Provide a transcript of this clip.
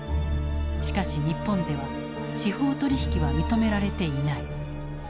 しかし日本では司法取引は認められていない。